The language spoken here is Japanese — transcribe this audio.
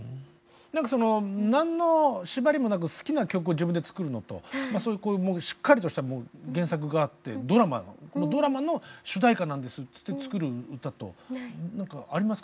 何かその何の縛りもなく好きな曲を自分で作るのとしっかりとした原作があってドラマの主題歌なんですって言って作る歌と何かありますか？